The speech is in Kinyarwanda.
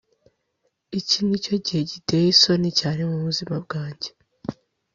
iki nicyo gihe giteye isoni cyane mubuzima bwanjye.